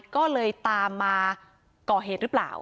ก็เลยตามมาก่อเหตุหรือเปล่า